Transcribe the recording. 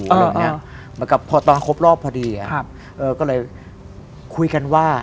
เหมือนกับพอตอนครบรอบพอดีก็เลยคุยกันว่า